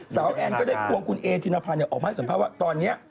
สาวแอนก็ได้ควงคุณเอทินภัณฑ์เนี่ยออกมาให้สัมภาพว่าตอนนี้